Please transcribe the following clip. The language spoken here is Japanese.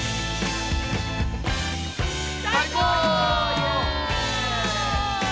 最高！